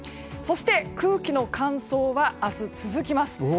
そして、空気の乾燥は明日、続きます。